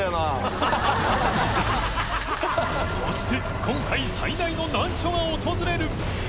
今回最大の難所が訪れる